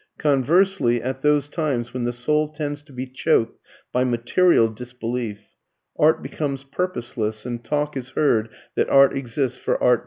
Conversely, at those times when the soul tends to be choked by material disbelief, art becomes purposeless and talk is heard that art exists for art's sake alone.